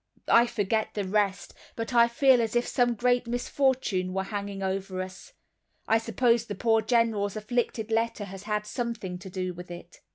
"I forget the rest. But I feel as if some great misfortune were hanging over us. I suppose the poor General's afflicted letter has had something to do with it."